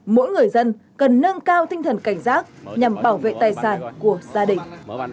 mỗi người dân cần nâng cao tinh thần cảnh giác nhằm bảo vệ tài sản của gia đình